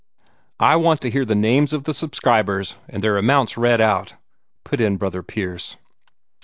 "I want to hear the names of the subscribers and their amounts read out," put in Brother Pierce.